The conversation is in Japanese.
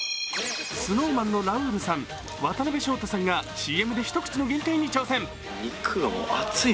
ＳｎｏｗＭａｎのラウールさん、渡辺翔太さんがＣＭで１口の限界に挑戦。